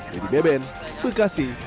jadi beben bekasi